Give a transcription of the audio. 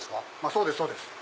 そうですそうです。